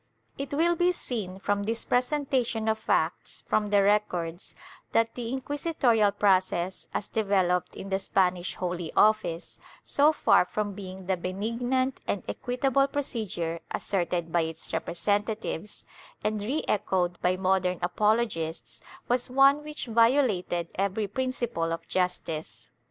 * It will be seen from this presentation of facts from the records that the inquisitorial process, as developed in the Spanish Holy Office, so far from being the benignant and equitable procedure asserted by its representatives and re echoed by modern apologists, was one which violated every principle of justice.